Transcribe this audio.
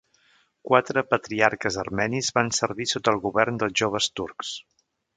Quatre patriarques armenis van servir sota el govern dels Joves Turcs.